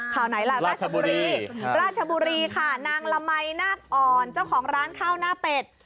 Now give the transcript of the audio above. ข่าวไหนล่ะราชบุรีราชบุรีค่ะนางละมัยนาคอ่อนเจ้าของร้านข้าวหน้าเป็ด